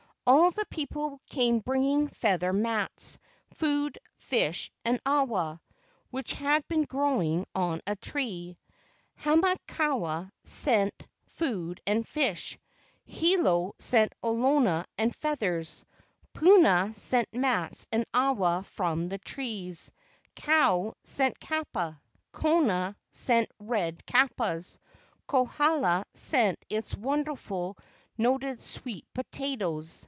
All the people came bringing feather mats, food, fish, and awa, which had been growing on a tree. Hamakua sent food and fish; Hilo sent KE A U NINI 187 olona and feathers; Puna sent mats and awa from the trees; Kau sent kapa; Kona sent red kapas; Kohala sent its wonderful noted sweet potatoes.